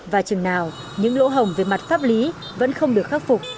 và chừng nào những lỗ hồng về mặt pháp lý vẫn không được khắc phục